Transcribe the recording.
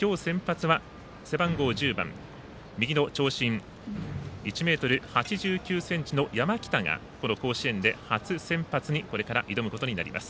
今日先発は、背番号１０番右の長身、１ｍ８９ｃｍの山北がこの甲子園で初先発にこれから挑むことになります。